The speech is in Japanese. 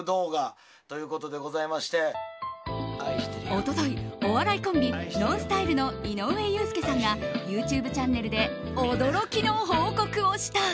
一昨日、お笑いコンビＮＯＮＳＴＹＬＥの井上裕介さんがＹｏｕＴｕｂｅチャンネルで驚きの報告をした。